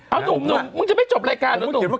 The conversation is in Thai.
เอาหลุมหนูมึงจะไปจบรายการเหรอหลุมหนู